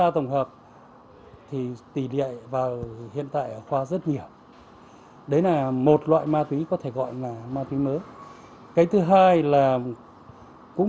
trong đó có hàng trăm loại ma túy mới xuất hiện